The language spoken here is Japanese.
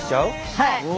はい！